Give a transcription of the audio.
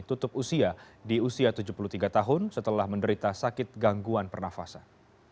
tutup usia di usia tujuh puluh tiga tahun setelah menderita sakit gangguan pernafasan